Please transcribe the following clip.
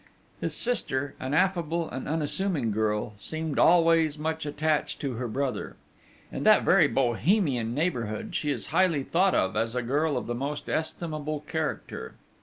His sister, an affable and unassuming girl, seemed always much attached to her brother. In that very Bohemian neighbourhood she is highly thought of as a girl of the most estimable character.